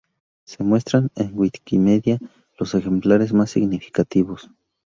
Se muestran en wikimedia los ejemplares más significativos.